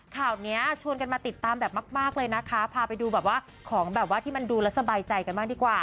ข่าวนี้ชวนกันมาติดตามแบบมากเลยนะคะพาไปดูแบบว่าของแบบว่าที่มันดูแล้วสบายใจกันบ้างดีกว่า